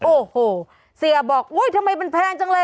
โอ้โหเสียบอกอุ๊ยทำไมมันแพงจังเลย